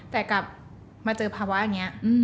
แต่กลับมาเจอภาวะอันเนี้ย